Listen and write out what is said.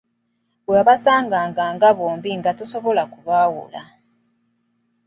Wabasanganga nga bombi nga tosobola kubaawula!